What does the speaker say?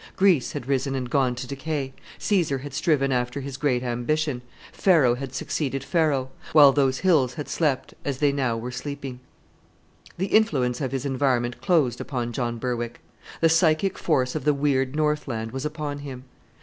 Greece had risen and gone to decay: Cæsar had striven after his great ambition: Pharaoh had succeeded Pharaoh: while those hills had slept as they now were sleeping. The influence of his environment closed upon John Berwick. The psychic force of the weird Northland was upon him.